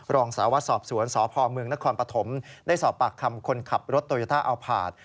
รองสาววัดสอบสวนสพเมืองนครปฐมได้สอบปากคำคนขับรถโตโยต้าอัลพาร์ท